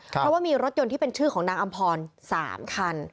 เพราะว่ามีรถยนต์ที่เป็นชื่อของนางอำพร๓คัน